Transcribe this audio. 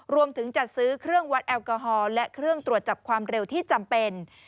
รวมถึงจัดซื้อเครื่องวัดแอลกอฮอลและเครื่องตรวจจับความเร็วที่จำเป็น